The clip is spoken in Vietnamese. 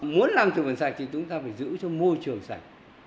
muốn làm trường vận sạch thì chúng ta phải giữ cho môi trường sạch